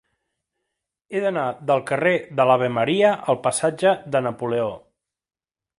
He d'anar del carrer de l'Ave Maria al passatge de Napoleó.